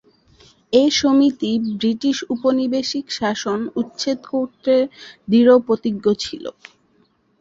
এ সমিতি ব্রিটিশ উপনিবেশিক শাসন উচ্ছেদ করতে দৃঢ় প্রতিজ্ঞ ছিল।